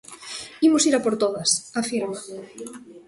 Imos ir a por todas, afirma.